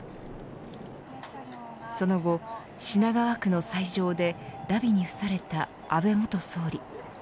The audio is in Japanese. その後、品川区の斎場で荼毘に付された安倍元総理。